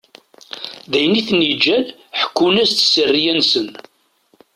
D ayen iten-ittaǧǧan ḥekkun-as-d sseriya-nsen.